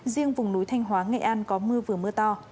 riêng vùng núi thanh hóa nghệ an có mưa vừa mưa to